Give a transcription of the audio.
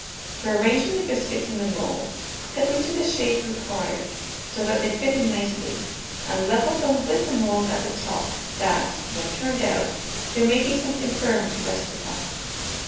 For arranging the biscuits in the mould, cut them to the shape required, so that they fit in nicely, and level them with the mould at the top, that, when turned out, there may be something firm to rest upon.